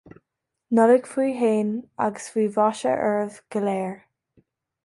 Nollaig faoi shéan agus faoi mhaise oraibh go léir